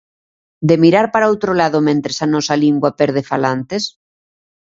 ¿De mirar para outro lado mentres a nosa lingua perde falantes?